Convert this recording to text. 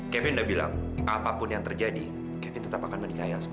kevin udah bilang apapun yang terjadi kevin tetap akan menikah